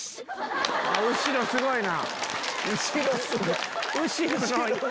後ろすごいな！